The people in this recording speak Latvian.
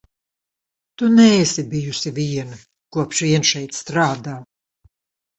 Tu neesi bijusi viena, kopš vien šeit strādā.